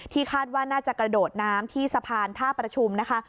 คาดว่าน่าจะกระโดดน้ำที่สะพานท่าประชุมนะคะ